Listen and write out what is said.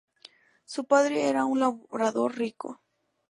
Su padre era un labrador rico.